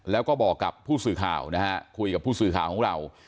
แล้วก็บอกกับผู้สื่อข่าวนะฮะคุยกับผู้สื่อข่าวของเรา